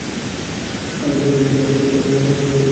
আমরা যখন হেরে যাই, আমাদের তখনকার আচরণটাই তুলে ধরে চারিত্রিক দৃঢ়তা।